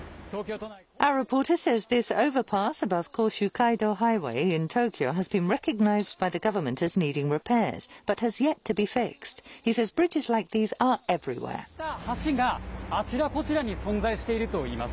今、こうした橋が、あちらこちらに存在しているといいます。